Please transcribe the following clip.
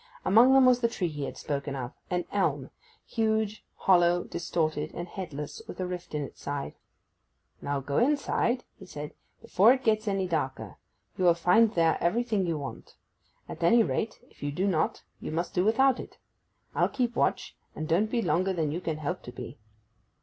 Among them was the tree he had spoken of—an elm; huge, hollow, distorted, and headless, with a rift in its side. 'Now go inside,' he said, 'before it gets any darker. You will find there everything you want. At any rate, if you do not you must do without it. I'll keep watch; and don't be longer than you can help to be.